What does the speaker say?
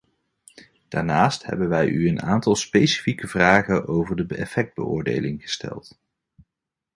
Daarnaast hebben wij u een aantal specifieke vragen over de effectbeoordeling gesteld.